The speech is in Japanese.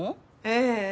ええ。